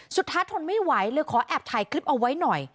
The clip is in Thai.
ทนไม่ไหวเลยขอแอบถ่ายคลิปเอาไว้หน่อย